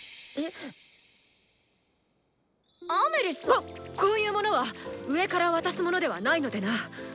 こっこういうものはっ「上から」渡すものではないのでな！